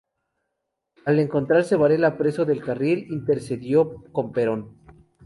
Al encontrarse Varela preso, del Carril intercedió con Perón.